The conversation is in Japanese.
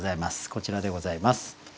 こちらでございます。